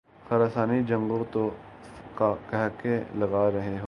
خراسانی جنگجو تو قہقہے لگارہے ہوں۔